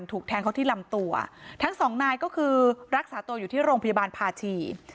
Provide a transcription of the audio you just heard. ถูกแทงเขาที่ลำตัวทั้งสองนายก็คือรักษาตัวอยู่ที่โรงพยาบาลภาชี